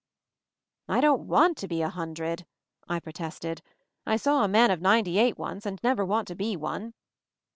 "I don't want to be a hundred," I pro tested. "I saw a man of ninety eight once, and never want to be one."